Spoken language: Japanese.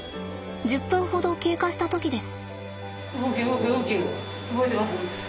１０分ほど経過した時です。